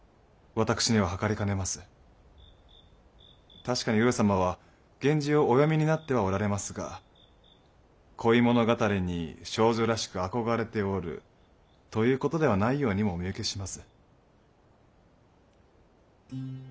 確かに上様は源氏をお読みになってはおられますが恋物語に少女らしく憧れておるということではないようにもお見受けします。